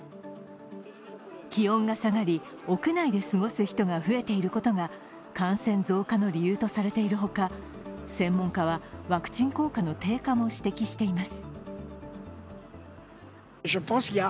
気温が下がり、屋内で過ごす人が増えていることが感染増加の理由とされている他、専門家はワクチン効果の低下も指摘しています。